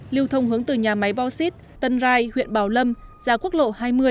lưu thông hướng từ nhà máy bò xít tân rai huyện bảo lâm ra quốc lộ hai mươi